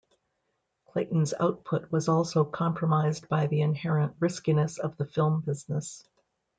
Clayton's output was also compromised by the inherent riskiness of the film business.